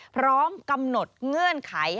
พร้อมกำหนดเงื่อนไข